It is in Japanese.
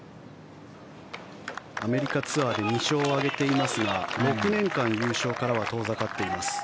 アメリカツアーで２勝を挙げていますが６年間優勝からは遠ざかっています。